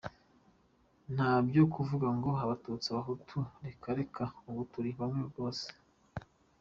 Nta byo kuvuga ngo abatutsi, abahutu reka reka ubu turi bamwe rwose.